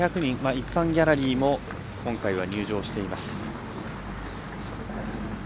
一般ギャラリーも今回は入場しています。